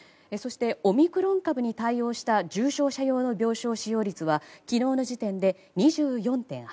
そして、オミクロン株に対応した重症者用の病床使用率は昨日の時点で２４．８％。